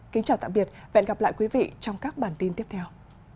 kính chào tạm biệt và hẹn gặp lại quý vị trong các bản tin tiếp theo